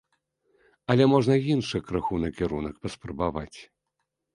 Але можна іншы крыху накірунак паспрабаваць.